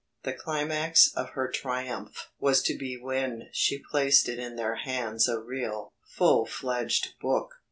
The climax of her triumph was to be when she placed in their hands a real, full fledged book.